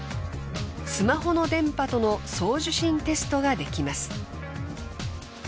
スマホの電波との送受信テストができます。